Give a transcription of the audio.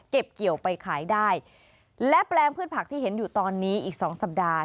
เกี่ยวไปขายได้และแปลงพืชผักที่เห็นอยู่ตอนนี้อีกสองสัปดาห์